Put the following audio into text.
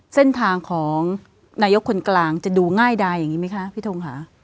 แส้นทางของณิยกคนกลางจะดูง่ายได๋ยังงี้ครับพี่โทษฮะ